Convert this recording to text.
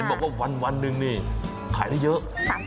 เห็นบอกว่าวันนึงนี่ขายได้เยอะ